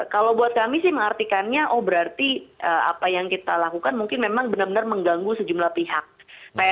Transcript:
kalau buat kami sih mengartikannya oh berarti apa yang kita lakukan mungkin memang benar benar mengganggu sejumlah pihak